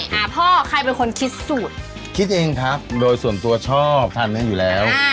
อ่าพ่อใครเป็นคนคิดสูตรคิดเองครับโดยส่วนตัวชอบทานเนื้ออยู่แล้ว